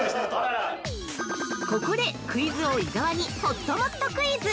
◆ここでクイズ王・伊沢にほっともっとクイズ！